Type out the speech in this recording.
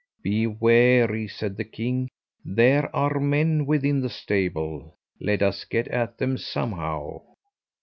"Be wary," said the king, "there are men within the stable, let us get at them somehow."